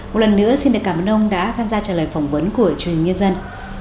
một lần nữa xin cảm ơn ông đã tham gia trả lời phỏng vấn của truyền nhân dân